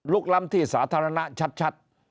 ล้ำที่สาธารณะชัด